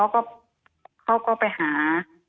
น้องก็ไปทำงานเขาก็ไปหา